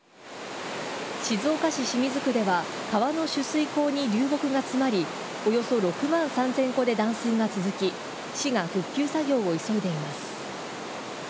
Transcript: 静岡市清水区では、川の取水口に流木が詰まり、およそ６万３０００戸で断水が続き、市が復旧作業を急いでいます。